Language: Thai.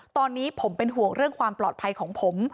ตอนนี้ผมเป็นห่วงเรื่องความปลอดภัยของผม